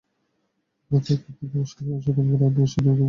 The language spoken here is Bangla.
মাথায় কাপড় দেওয়া, শাড়ির আঁচলে মোড়ানো স্নিগ্ধ মুখে ভদ্রমহিলার হাসির রেশ।